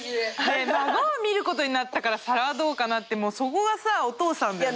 「孫を見ることになったから皿はどうかな」ってもうそこがさお父さん。